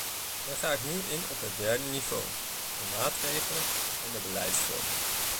Dan ga ik nu in op het derde niveau: de maatregelen en de beleidsvormen.